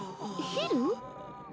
ヒル。